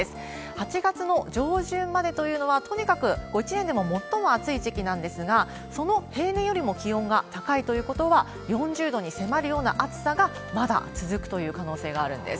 ８月の上旬までというのは、とにかく一年でも最も暑い時期なんですが、その平年よりも気温が高いということは、４０度に迫るような暑さがまだ続くという可能性があるんです。